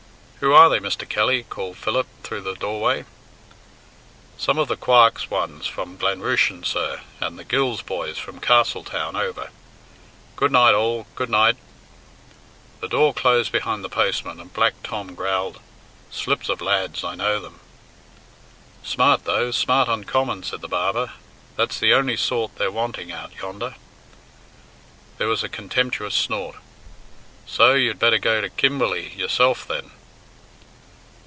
"Who are they, Mr. Kelly?" called Philip, through the doorway. "Some of the Quarks ones from Glen Rushen, sir, and the Gills boys from Castletown over. Good night all, goodnight!" The door closed behind the postman, and Black Tom growled, "Slips of lads I know them." "Smart though, smart uncommon," said the barber; "that's the only sort they're wanting out yonder." There was a contemptuous snort. "So? You'd better go to Kimberley yourself, then."